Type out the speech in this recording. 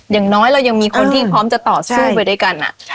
อย่างน้อยเรายังมีคนที่พร้อมจะต่อสู้ไปด้วยกัน